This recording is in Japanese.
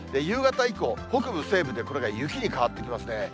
夕方以降、北部、西部でこれが雪に変わってきますね。